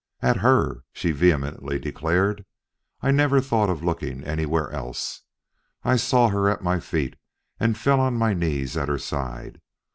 "At her," she vehemently declared. "I never thought of looking anywhere else. I saw her at my feet, and fell on my knees at her side.